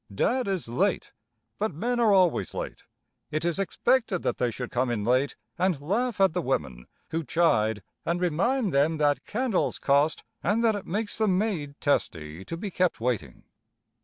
Dad is late, but men are always late. It is expected that they should come in late and laugh at the women who chide and remind them that candles cost and that it makes the maid testy to be kept waiting.